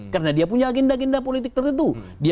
karena dia punya agenda agenda politik tertentu